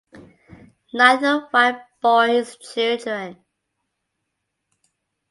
Neither wife bore his children.